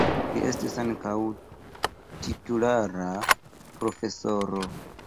Li estis ankaŭ titulara profesoro.